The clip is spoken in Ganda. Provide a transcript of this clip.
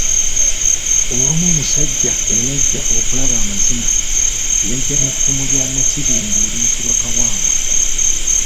Olumu omusajja eyajja okulaba amazina, yajja n'effumu lya Nnakibinge eriyitibwa Kawawa.